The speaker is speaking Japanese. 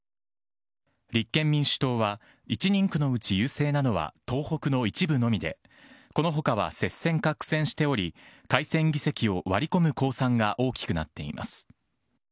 立憲民主党は、１人区のうち優勢なのは東北の一部のみで、このほかは接戦か苦戦しており、改選議席を割り込む公算が大きくなっています。